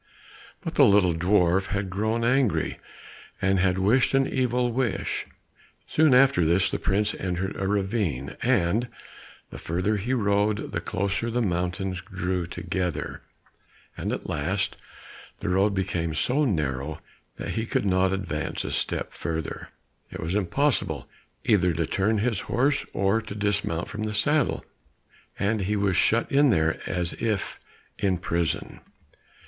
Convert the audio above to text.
But the little dwarf had grown angry, and had wished an evil wish. Soon after this the prince entered a ravine, and the further he rode the closer the mountains drew together, and at last the road became so narrow that he could not advance a step further; it was impossible either to turn his horse or to dismount from the saddle, and he was shut in there as if in prison.